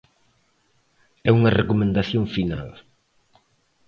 E unha recomendación final.